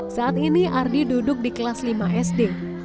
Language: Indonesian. saat ini ardi duduk di kelas lima sd